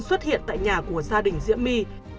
xuất hiện tại nhà của gia đình diễm my